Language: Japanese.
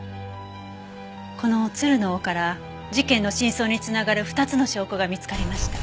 この鶴の尾から事件の真相に繋がる２つの証拠が見つかりました。